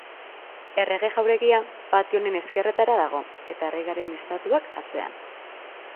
Errege jauregia, patio honen ezkerretara dago, eta erregearen estatuak atzean.